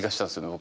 僕。